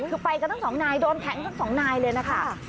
คือไปกับทั้ง๒นายโดนแทนทั้ง๒นายเลยนะคะ